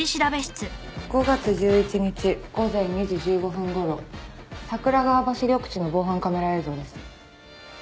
５月１１日午前２時１５分頃桜川橋緑地の防犯カメラ映像です。